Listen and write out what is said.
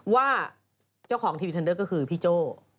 ว่าเจ้าของทีมงานก็คือพี่โจ้